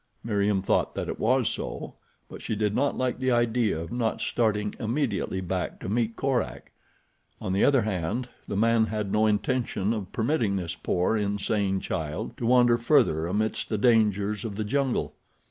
Meriem thought that it was so; but she did not like the idea of not starting immediately back to meet Korak. On the other hand the man had no intention of permitting this poor, insane child to wander further amidst the dangers of the jungle.